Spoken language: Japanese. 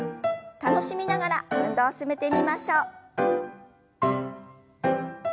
楽しみながら運動を進めてみましょう。